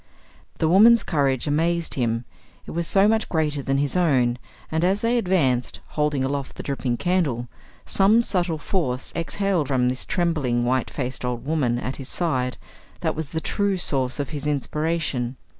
The woman's courage amazed him; it was so much greater than his own; and, as they advanced, holding aloft the dripping candle, some subtle force exhaled from this trembling, white faced old woman at his side that was the true source of his inspiration.